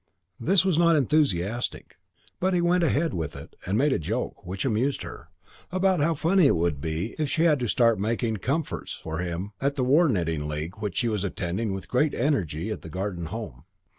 This was not enthusiastic; but he went ahead with it and made a joke, which amused her, about how funny it would be if she had to start making "comforts" for him at the War Knitting League which she was attending with great energy at the Garden Home.